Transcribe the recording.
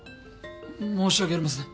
申し訳ありません。